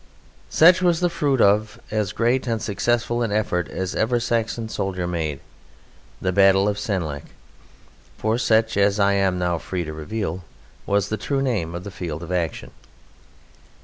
Such was the fruit of as great and successful an effort as ever Saxon soldier made: the Battle of Senlac: for such as I am now free to reveal was the true name of the field of action.